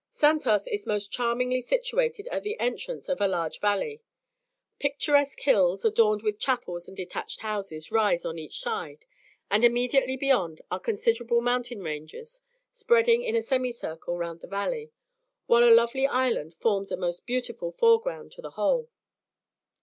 Santos is most charmingly situated at the entrance of a large valley. Picturesque hills, adorned with chapels and detached houses, rise on each side, and immediately beyond are considerable mountain ranges, spreading in a semi circle round the valley, while a lovely island forms a most beautiful foreground to the whole.